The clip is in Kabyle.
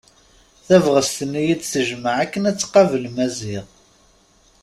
Tabɣest-nni i d-tejmeɛ akken ad tqabel Maziɣ.